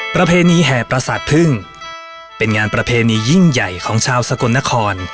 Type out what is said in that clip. ประเพณีแห่ประสาทพึ่งเป็นงานประเพณียิ่งใหญ่ของชาวสกลนคร